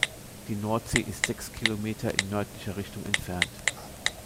Die Nordsee ist sechs Kilometer in nördlicher Richtung entfernt.